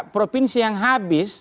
provinsi yang habis